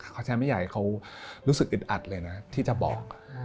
เขาใช้ไม่อยากให้เขารู้สึกอึดอัดเลยนะที่จะบอก